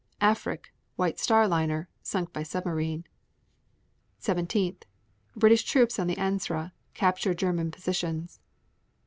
Afric, White Star liner, sunk by submarine. 17. British troops on the Ancre capture German positions.